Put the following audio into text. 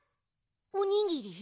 おにぎり？